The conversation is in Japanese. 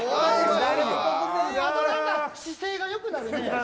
姿勢が良くなるね。